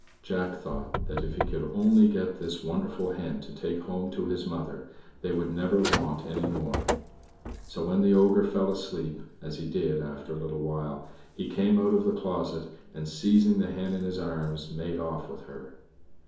Jack thought that if he could only get this wonderful hen to take home to his mother, they would never want any more. So when the ogre fell asleep as he did after a little while he came out of the closet, and, seizing the hen in his arms, made off with her.